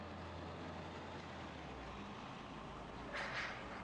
Byl členem výboru práce a výboru pro zahraniční záležitosti a obranu.